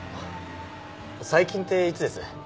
最近っていつです？